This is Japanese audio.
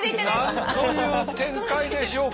なんという展開でしょうか。